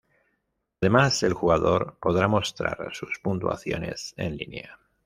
Además el jugador podrá mostrar sus puntuaciones en línea.